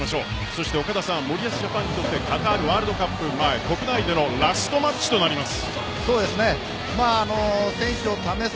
そして岡田さん森保ジャパンにとってカタールワールドカップ前国内でのラストマッチとなります。